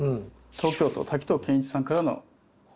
東京都滝藤賢一さんからのお悩み。